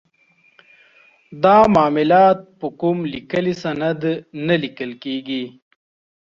دا معاملات په کوم لیکلي سند نه لیکل کیږي.